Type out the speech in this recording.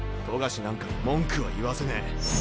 冨樫なんかに文句は言わせねえ。